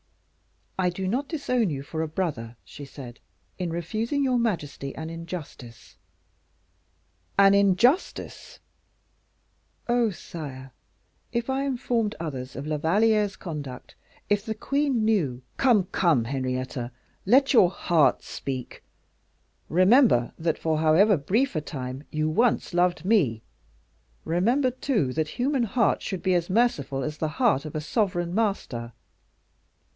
"I do not disown you for a brother," she said, "in refusing your majesty an injustice." "An injustice!" "Oh, sire! if I informed others of La Valliere's conduct; if the queen knew " "Come, come, Henrietta, let your heart speak; remember that, for however brief a time, you once loved me; remember, too, that human hearts should be as merciful as the heart of a sovereign Master.